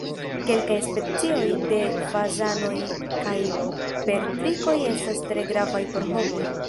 Kelkaj specioj de fazanoj kaj perdrikoj estas tre gravaj por homoj.